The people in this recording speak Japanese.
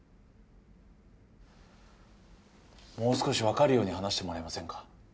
もう少し分かるように話してもらえませんか？